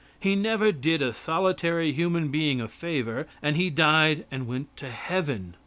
He never did a solitary human being a favor, and he died and went to heaven.